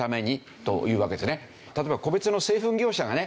例えば個別の製粉業者がね